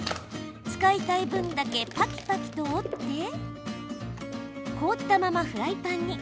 使いたい分だけぱきぱきと折って凍ったままフライパンに。